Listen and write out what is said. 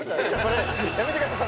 それやめてください。